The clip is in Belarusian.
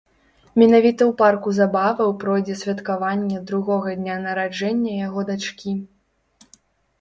Менавіта ў парку забаваў пройдзе святкаванне другога дня нараджэння яго дачкі.